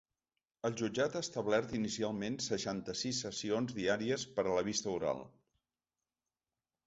El jutjat ha establert inicialment seixanta-sis sessions diàries per a la vista oral.